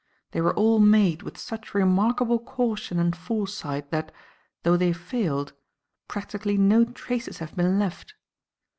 They were all made with such remarkable caution and foresight that, though they failed, practically no traces have been left.